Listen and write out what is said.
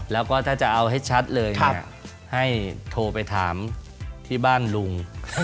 แล้วก็ถ้าจะเอาให้ชัดเลยเนี่ยให้โทรไปถามที่บ้านลุง